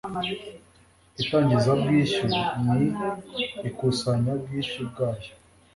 itangizabwishyu n ikusanyabwishyu bwayo